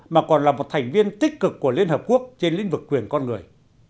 mà còn là một thành viên tích cực của liên hợp quốc trên lĩnh vực quyền con người